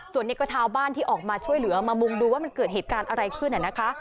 ส่วนนี้ก็ชาวบ้านที่ออกมาช่วยเหลือมามุงดูว่ามันเกิดเหตุการณ์อะไรขึ้นนะคะ